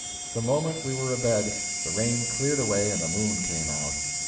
The moment we were abed, the rain cleared away and the moon came out.